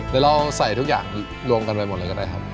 เดี๋ยวเราใส่ทุกอย่างรวมกันไปหมดเลยก็ได้ครับ